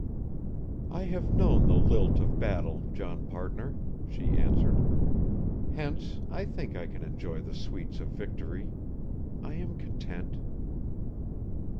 "I have known the lilt of battle, John partner," she answered; "hence I think I can enjoy the sweets of victory. I am content."